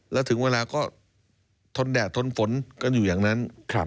แล้วถึงเวลาก็ทนแดดทนฝนกันอยู่อย่างนั้น